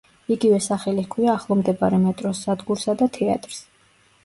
იგივე სახელი ჰქვია ახლომდებარე მეტროს სადგურსა და თეატრს.